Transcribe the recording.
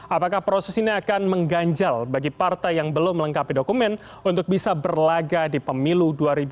apakah proses ini akan mengganjal bagi partai yang belum melengkapi dokumen untuk bisa berlaga di pemilu dua ribu dua puluh